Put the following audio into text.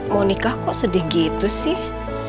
mau nikah kok sedih gitu sih